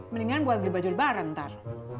mendingan buat beli baju lebaran ntar